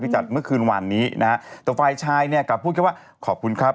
ที่จัดเมื่อคืนวันนี้ก๊าดดิกลับพูดแค่ว่าขอบคุณครับ